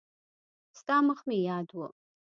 ستا مخ مې یاد و.